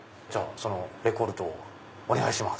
そのレコルトをお願いします。